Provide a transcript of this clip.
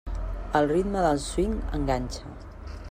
El ritme del swing enganxa.